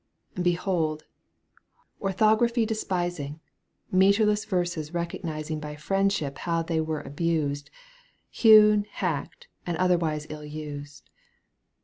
Behold ! orthography despisiQg, Metreless verses recognizing I By friendship how they were abused, I Hewn, hacked, and otherwise ill used.